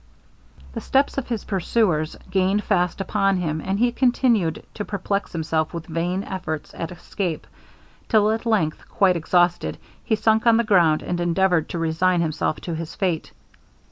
The steps of his pursuers gained fast upon him, and he continued to perplex himself with vain efforts at escape, till at length, quite exhausted, he sunk on the ground, and endeavoured to resign himself to his fate.